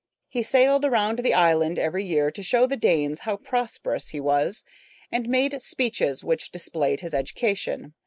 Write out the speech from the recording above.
He sailed around the island every year to show the Danes how prosperous he was, and made speeches which displayed his education.